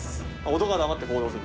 男は黙って行動する。